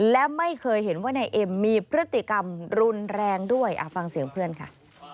และไม่เคยเห็นว่านายเอ็มมีพฤติกรรมรุนแรงด้วยฟังเสียงเพื่อนค่ะ